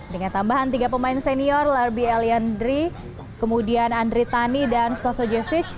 dengan tambahan tiga pemain senior larbi elian dri kemudian andri tani dan spasojevic